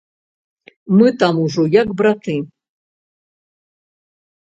Мы там ужо як браты.